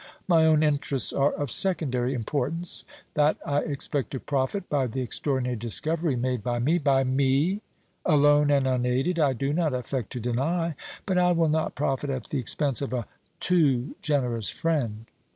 My own interests are of secondary importance. That I expect to profit by the extraordinary discovery made by me by ME alone and unaided, I do not affect to deny. But I will not profit at the expense of a too generous friend."